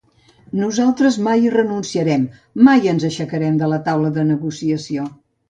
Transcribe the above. Nosaltres mai hi renunciarem, mai ens aixecarem de la taula de negociació.